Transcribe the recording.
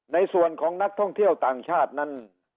ในส่วนของนักท่องเที่ยวต่างชาตินั้น